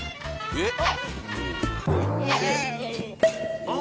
えっ。